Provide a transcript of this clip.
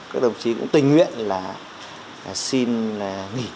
các đồng chí cũng tình nguyện là xin nghỉ